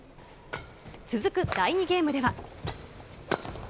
続く第２ゲームでは。